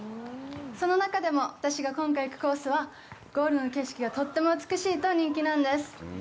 その中でも私が今回行くコースはゴールの景色がとっても美しいと人気なんです。